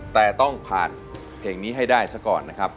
แต่ต้องผ่านเพลงนี้ให้ได้ซะก่อนนะครับ